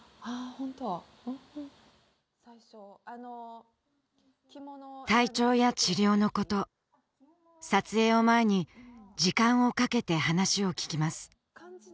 ホント体調や治療のこと撮影を前に時間をかけて話を聞きます